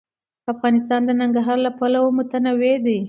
افغانستان د ننګرهار له پلوه متنوع دی.